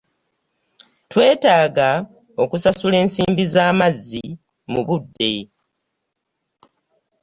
Twetaaga okusasula ensimbi z'amazzi mu budde.